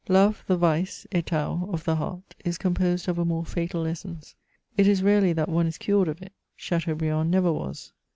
Love, the vice (^tau) of the heart, is composed of a more fatal essence. It is rarely that one is cured of it : Chateaubriand never was.